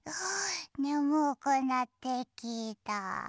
ねむくなってきた。